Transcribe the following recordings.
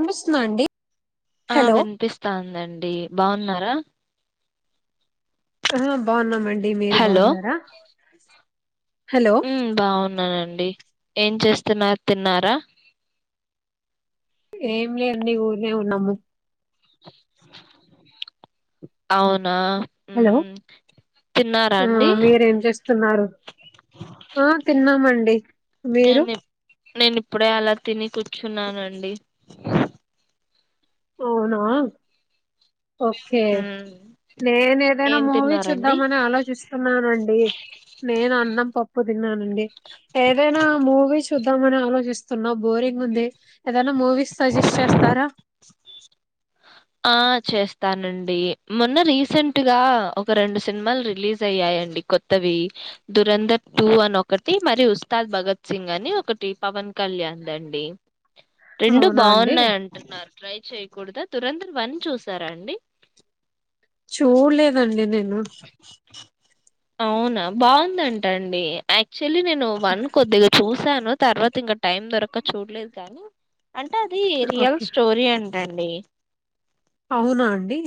అమస్తుందా అండి ఆ హలో వినిపిస్తాందండి బాగున్నారా ఆ బాగున్నామ అండి మీరు హలో బాగున్నారా హలో బాగున్నానండి ఏం చేస్తున్నారు తిన్నారా ఏం లేదు నీ ఊరినే ఉన్నాము అవును హలో తిన్నారా ఆ అండి మీరేం చేస్తున్నారు ఆ తిన్నామండి మీరు నేను నేను ఇప్పుడే అలా తిని కూర్చున్నానుండి అవునా ఓకే ఉమ్ నేను ఏదైనా ఏం మూవీ తిన్నారండి చూద్దామని ఆలోచిస్తున్నానండి నేను అన్నం పప్పు తిన్నానండి ఏదైనా మూవీస్ చూద్దామని ఆలోచిస్తున్నాం బోరింగ్ ఉంది ఏద మూవీస్ సజెస్ట్ చేస్తారా ఆ చేస్తానండి మొన్న రీసెంట్ గా ఒక రెండు సినిమాలు రిలీజ్ అయ్యాయి అండి కొత్తవి దురంధర్ టూ అని ఒకటి మరి ఉస్తాద్ భగత్ సింగ్ అని ఒకటి పవన్ కళ్యాణ్ దండి రెండు అవునా అండి బాగున్నాయి అంటున్నారు ట్రై చేయకూడదు తురంతం వన్ చూసారా అండి చూడలేదండి నేను అవునా బాగుందంట అండి యాక్చువల్లీ నేను వన్ కొద్దిగా చూ వసాను తర్వాత ఇంకా టైం దొరక చూడలేదు కానీ అంటే అది రియల్ ఓకే స్టోరీ అండి రండి అవునా అండి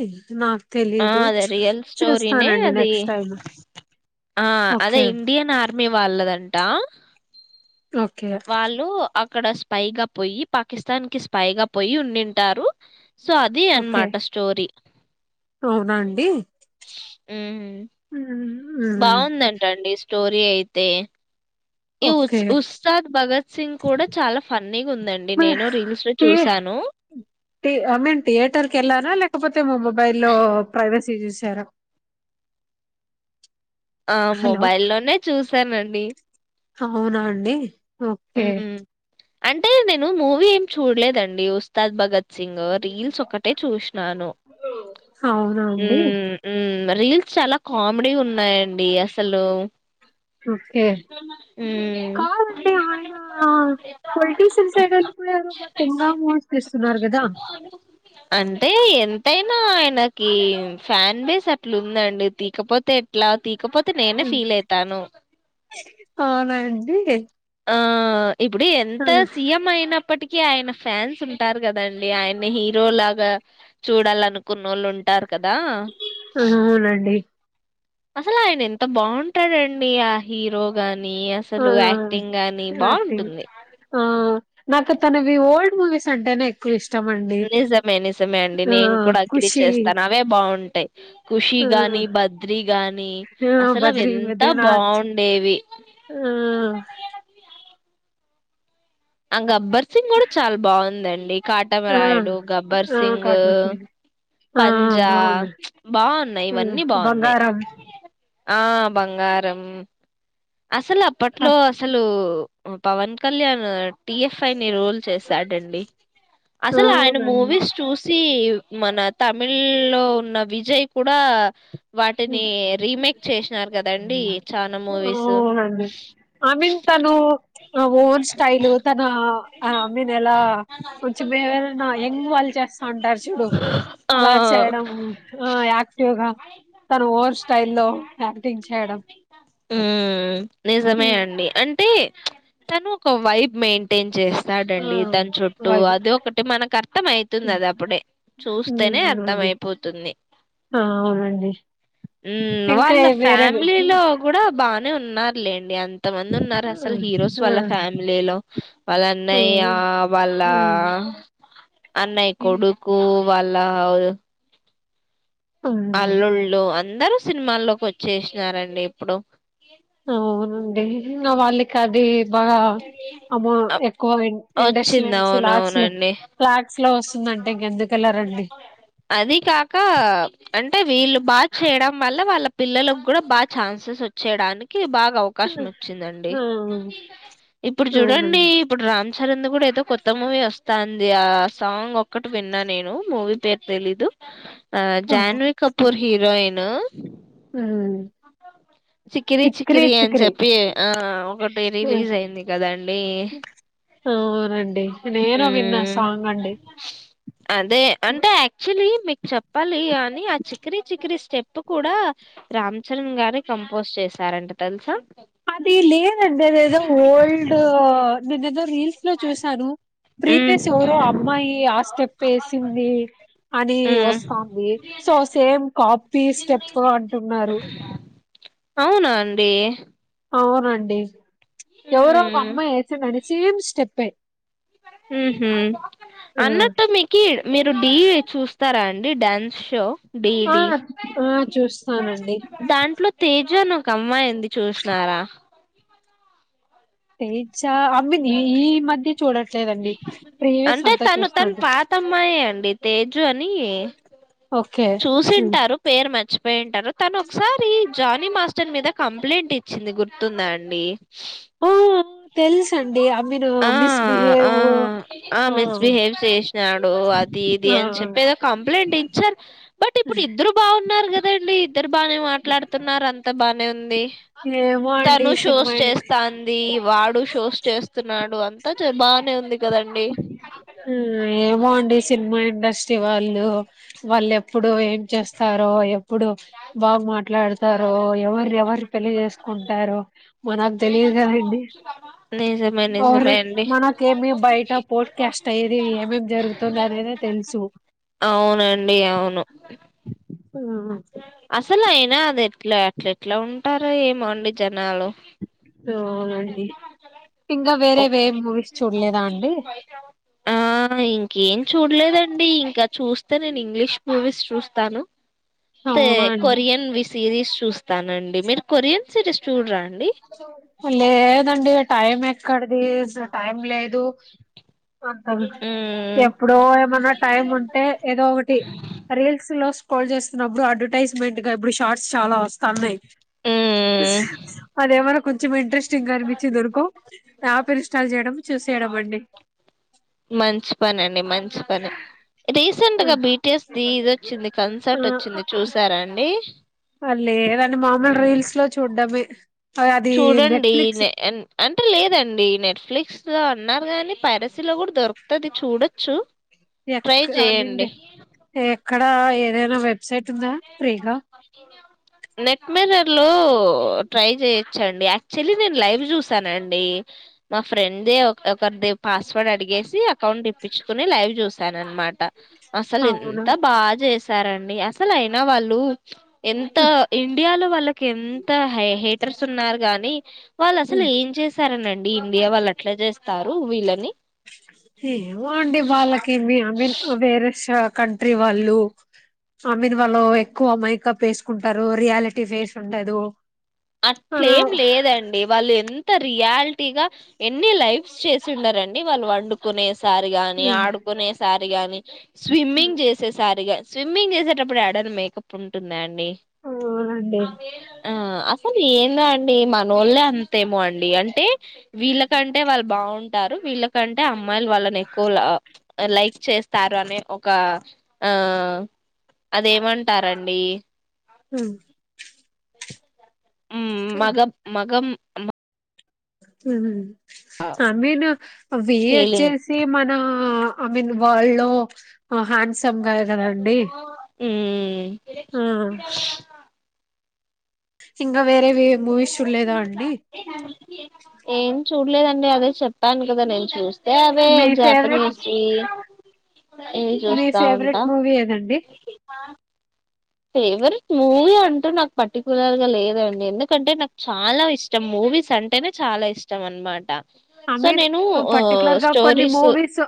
నాకు ఆ తెలీదు అదే చ్ రియల్ స్టోరనేే చూస్తానండి అది నెక్స్ట్ టైమ్ ఆ అదే ఓకే ఇండియన్ ఆర్మీ వాళ్ళదంటా ఓకే అక్కడ స్పైగా పోయి పాకిస్తాన్ కి స్పైగా పోయి ఉండింటారు సో అదిే ఓకే అనమాట స్టోరి అవునా అండి హ్మ్ బాగుందంట అండి స్టోరీ అయితే ఈ ఉ ఓకే ఉస్సాద్ భగత్ సింగ్ కూడా చాలా ఫన్నీగా ఉందండి నేను రీల్స్ లో చూసాను ఆ అ మీన్ థియేటర్ క ఎలా లే కాకపోతే మా మొబైల్ల్లో ప్రైవసీ చూసారా ఆ హలో మొబై లోనే చూసానండి అవునా అండి ఓకే హ్మ్. అంటే నేను మూవీ ఏమి చూడలేదండి ఉస్తాద్ భగత్ సింగు రీల్స్ ఒకటే చూసినాను అవునా అండి మ్మ్మ్మ్ మ్మ్మ్మ్ రీల్స్ చాలా కామెడీ ఉన్నాయంండి అసలు ఓకే మ్మ్మ్మ్ ఆ పొలిటీషియన్ సైడ్ కూడా ఎదో మధ్యంగా మ ఇస్తున్నారు కదా అంటే ఎ ఎంతైనా ఆయనకి ఫ్యాన్ బేస్ అట్లా ఉందండి తీకపోతే ఎట్లా తీకపోతే నేనే ఫీల్ అయితాను అవునండి ఆ ఇప్పుడు ఎంత సీఎం అయిన ఇప్పటిక ఆయన ఫ్యాన్స్ ఉంటారు కదండి ఆయన హీరో లాగా చూడాలనుకున్న వాళ్ళు ఉంటారు కదా అవునండి అసలు ఆయన ఎంత బాగుంటాడండి ఆ హీరోగాని కానీ ఆ అసలు యాక్టింగ్ గానీ యాక్టింగ్ బాగుంటుంది ఆ నాకు తనవి ఓల్డ్ మూవీస్ అంటేనే ఎక్కువ ఇష్టం ఇష్టమండి నిజమే నిజమే అండి నేను ఆ కూడా ఖు అగ్రి షి చేస్తాను అవే బాగుంటాయి ఖుషి గాని బద్రీ గాని ఆ అసలు అవి బద్రి ఎంత బద్రీనాథ్ బాగుండేవి ఆ అ అంగ అబ్బర్ సింగ్ కూడా చాలా బాగుందండి ఆ కాటమరాయుడు గబ్బర్ ఆ సింగ్ కాటన్ సినిమా ఆ పంజా బాగుంది బాగున్నాయి ఇవన్నీ బాగున్నాయి బంగారం ఆ బంగారం అసలు ఆ! అప్పట్లో అసలు పవన్ కళ్యాణ్ టిఎఫ్ఐ ని రూల్ చేశాడంండి అసలు ఆయన అవునండి మూవీస్ చూసి మన తమిళ్ లో ఉన్న విజయ్ కూడా వాటిని రీమేక్ చేసినారు కదండి చాలా మూవీస్ అవునండి ఐ మీన్ తను ఆ ఓన్ స్టైల్ తనఐ మీన్ ఎలా కొ వరనా ఎంగ్ వాళ్ళు చేస్తా ఉంటారు చూడు అలా ఆ చేయడం యాక్టివ్ గా చ ఆ నిజమే అండి అంటే తను ఒక వైబ్ మెయింటైన్ చేస్త ఆ చాడండి తని చుట్టూ వది అది ఒకటి మనకు అర్థం అయితుంది అది అప్పుడే చూస్తేనే అర్థం అవుంది అవునండి అయిపోతుంది ఆ అవునండి ఉ ఇంకా వాళ్ళ వేరే ఆ ఫ్యామిలీలో కూడా బానే ఉన్నారు లేండి అ కొంత మంది ఉన్నారు ఆ అసలు హీరోస్ వాళ్ళ ఆ, ఫ్యామిలీ లో వాళ్ళ అన్నయ్య వాళ్ళ ఉమ్, అన్నయ ఉమ్, కొడుకు వల్ళ అవు ఉమ్, అల్లుళ్ళు అందరుూ సినిమాల్లోకి వచ్చేసినారండి ఇప్పుడు అవునండి నా వాళ్ళకి అది బాగా అమ్మ అ- ఎక్కువ ఇండస్ట్రీ వచ్చింది నుంచి లాక్స్ లో అవునవునండి ఫ్లాగ్స్ లో వస్తుందంటే ఇంకెందుకు వెెళ్లరండి అది కాక అంటే వీళ్ళు బాగా చేయడం వల్ల వాళ్ళ పిల్లలకు కూడా బాగా ఛాన్సెస్ వచ్చేయడానికి బాగా అవకాశం వచ్చిందండి ఆ ఇప్పుడు చూడండి అవునండి ఇప్పుడు రా రామ్ చరణ్ కూడా ఏదో కొత్త మూవీ వస్తాంది ఆ సాంగ్ ఒక్కటి విన్నా నేను మూవీ పేరు తెలీదు ఆ జాహన్వి కపూర్ హీరోయిన్ అవు చిక్కిరి చికిరి అని చెప్పి ఆ ఒకటి ఉమ్. రిలీజ్ అయింది కదండి అవునండి నేను విన్నా సాంగ్ అండి అదే అంటే యాక్చులీ మీకు చెప్పాలి అని ఆ చికిర చికిర స్టెప్ కూడా రామ్ చరణ్ గారి కంపోజ్ చే చేశారంటే తెలుసా అది లేదండి ఏదేదో ఓల్డ్ నేద ఏదో రీల్స్ లో చూశాను ఉమ్ ప్రీవియస్ ఎవరు అమ్మాయి ఆ స్టెప్ వేసింది అని ఉమ్ వస్తుంది సో సేమ్ కాపీ స్టెప్ అంటున్నారు అవునా అండి అవునండి ఎవరో ఒక ఉమ్ అమ్మాయి వేసిందని సేమ్ స్టెప్పే అన్నట్టు మీ కీ మీరు డి చూస్తారా అండి డ్యాన్స్ షో డీ ఆ డీ ఆ చూస్తానండి దాంట్లో తేజ తేజు అని ఒక అమ్మాయి ఉంది చూసినారా పే చ అవును ఈ మధ్య చూడట్లేదండి ప్రీవియస్ అంతా చూస్తాండి అడి తేజు అని ఓకే ఉమ్. చూసింటారు పేరు మర్చిపోయింటారు తను ఒకసారి జానీ మాస్టర్ మీద కంప్లైంట్ ఇచ్చింది గుర్తుందా అండి ఆ తెలుస అండి ఐ మీన్ ఆ ఆ మిస్బిహేవ్ ఆ మిస్బిహేవ్ చేసినాడు అది ఇది అని ఆ చెప్పేదో కంప్లైంట్ ఇచ్చారు బట్ ఇప్పుడు ఇద్దరు బాగున్నారు కదండి ఇద్దరు బానే మాట్లాడుతున్నారు అంత బాగానే ఉంది ఏమో అండి తను ఈ షోస్ సినిమా ఇన్ చేస్తంది వాడు షోస్ చేస్త వస్తున్నాడు అంతా బాగానే ఉంది కాదండి హ్మ్ ఏమో అండి సినిమా ఇండస్ట్రీ వాళ్ళు వాళ్ళు ఎప్పుడు ఏం చేస్తారో ఎప్పుడు బాగా మాట్లాడతారో ఎవరు ఎవరు పెళ్లి చేసుకుంటారో మనకు తెలియదు కదండి [unintelligible] అర్ నిజమే అండి మనకేమి బయట పో కస్ట్ అయ్యేది ఏమేం జరుగుతుందినేనే తెలుసు అవునండి అవును హా అసలు అయినా అది ఎట్లా అట్లా ఎట్లా ఉంటారు ఏ మండి జనాలు అవునండి ఇంకా వేరే ఒక్- వేరే మూవీస్ చూడలేదా అండి ఆ ఇంకేం చూడలేదండి ఇంకా చూస్తే నేను ఇంగ్లీష్ మూవీస్ చూస్తాను తె అవునా అండి కొరియన్ వి సిరీస్ చూస్తానండి మీరు కొరియన్ సిరీస్ చూడరాండి లేదండి టైం ఎక్కడిది టైం లేదు ఆహా ఉమ్ ఎప్పుడో ఏమైన్నా టైం ఉంటే ఏదో ఒకటి రీల్స్ లో పోల్ చేస్తున్నప్పుడు అడ్వర్టైజ్మెంట్ గా ఇప్పుడు షార్ట్స్ చాలా వస్తున్నాయి ఉమ్ కొంచెం ఇంట్రెస్టింగ్ గా అనిపించి ధనుకో యాప్ ఇన్స్టాల్ చేయడం చూస్ చేయడం అండి మంచి పానన్ పని రీసెంట్ గా బిటిఎస్ ది ఇది వచ్చింది కన్సర్ట్ వచ్చింది చూసారా అండి అ లేదండి మామూలుగా రీల్స్ లో చూడ్డమే అది చూడండి నెట్ఫ్లిక్స్ నే అంటే లేదండి నెట్ఫ్లిక్స్ గా అన్నారు గాని పరిసీలో కూడా దొరుకుతుది చూడొచ్చు ట్రై ఎక్క ఆ మీంద చేయండి ఎక్క అక్కడ ఏదైనా వెబ్సైట్ ఉందా ఫ్రీగా నెట్ మరర్ లో ట్రై చేయొచ్చండి యాక్చువల్లీ నేను లైవ్ చూసానండి మా ఫ్రెండ్దే ఒక ఒకరి ది పాస్వర్డ్ అడిగేసి అకౌంట్ ఇప్పించుకుని లైవ్ చూశాను అనమాట అసలు అవునా ఎంత బాగా చేసారండి అసలు అయినా వాళ్ళు ఎంత ఇండియాలో వాళ్ళకి ఎంత హ హెటర్స్ ఉన్నారు గాని వాళ్ళు అసలు ఏం చేశారనండి ఇండియా వాళ్ళు అట్లా చేస్తారు వీళ్ళని ఏమోండి వాళ్ళకి మీ అ మీన్ వేరేష కంట్రీ వాళ్ళు ఆ మీది వాళ్ళు ఎక్కువ మైకప్ వేసుకుంటారు రియాలిటీ ఫేస్ ఉండదు, ఆ అట్లేం లేదండి వాళ్ళు ఎంత రియాలిటీ గా ఎన్ని లైఫ్స్ చేసి ఉండారండి వాళ్ళు వండుకునే, సారి గాని హ్మ్ ఆడుకునేసారి, గాని స్విమ్మింగ్ చేసేసారిగాని, స్విమ్మింగ్ చేసేటప్పుడు ఏడైనా మేకప్ ఉంటుందా అండి, అవునండి కానీ ఏందో అండి మన వొళ్ళు అంత ఏమో అండి అంటే వీళ్ళకంటే వాళ్ళు బాగుంటారు, వీళ్ళకంటే అమ్మాయిలు వాళ్ళని ఎక్కువ లైక్ చేస్తారు అనే ఒక ఆ అదేమంటారండి, హు ఊ మగం, మగం ఉ ఐ మీన్ వె ఫీలింగ్ వచ్చేసి మనం ఐ మీన్ వరల్డ్ లో హ్యాండ్సమ్ గా కదండి, ఊ ఆ ఇంకా వేరే వేరే మూవీస్ చూడలేదా అండి, ఏం చూడలేదండి అదే చెప్పాను కదా నేను చూస్తే అదే మీ ఫేవరెట్ జాపనీస్ ఏమి మీ చూస్తా ఫేవరెట్ ఉంటా మూవీ ఏదండి ఫేవరెట్ మూవీ అంటూ నాకు పర్టికులర్ గా లేదండి ఎందుకంటే, నాకు చాలా ఇష్టం మూవీ మూవీస్ అంటేనే చాలా ఇష్టం అనమాట, ఐ సో మీన్ నేను పర్టికులర్ గా కొన్ని స్టోరీస్ మూవీస్,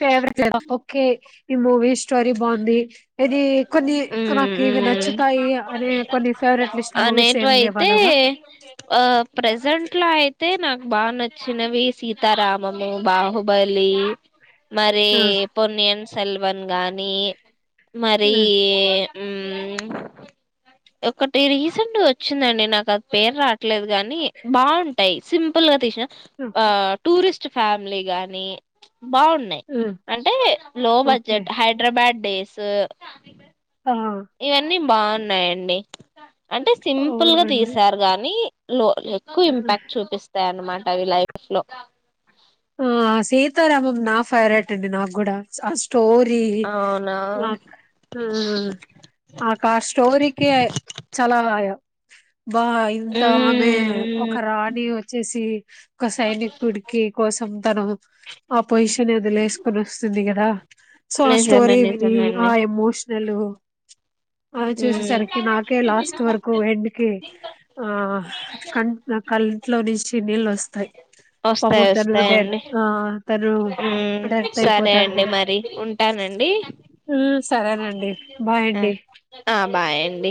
ఫేవరెట్ ఓకే ఈ మూవీ స్టోరీ బాగుంది. ఇది కొన్ని నాకు ఇవి నచ్చుతాయి అనే కొన్ని ఫేవరెట్ లిస్ట్ మూవీస్ ఏమి లేవాల ఏ ప్రెసెంట్ లో అయితే నా బాగా నచ్చినవి సీతారామము, బాహుబలి మరి ఆ, పొనియన్ సెల్వన్ గాని మరి ఆ, ఉమ్ ఒకటి రీసెంట్ వచ్చిందండి, నాకు అది పేరు రాట్లేదు గాని బాగుంటాయి. సింపుల్ గా తీసిన ఆ ఓకే టూరిస్ట్ ఫ్యామిలీ గాని బాగున్నాయి ఆ, అంటే లో ఓకే బడ్జెట్ హైదరాబాద్ డేస్ ఆ, ఇవన్నీ బాగున్నాయండి, అంటే సింపుల్ గా అవునండి తీసారు గాని లో ఎక్కువ ఇంపాక్ట్ చూపిస్తా, అదే అన్నమాట ఈ లైఫ్ లో ఆ సీతారామం నా ఫెవరెట్ అండి నాకు కూడా అ స్టోరి అవునా అక్ ఆ ఆ కార్ స్టోరికి చలవయ బాయ్ ఉత్త ఆమె మ్మ్ ఒక రాణి వచ్చేసి ఒక సైనికుడికి, కోసం తను ఆ పొజిషన్ వదిలేసుకొని వస్తుంది, కదా సో ఆ నిజమే స్టోరీ విని నిజమే ఆ అండి ఎమోషన్, నలు అది మ్మ్ చూసేసరికి నాకే లాస్ట్ వరకు ఎండ్కిి ఆ క కంట్లో నుంచి నీళ్ళు వస్తాయి, వస్తాయి పాపము డెర్ వస్తాయండి తను మ్మ్ డెర్త్ సరే అయిపోతాడు, అండి కదా మరి ఉంటానండి హు సరేనండి బాయ్ ఆ అండీ ఆ బాయ్ అండీ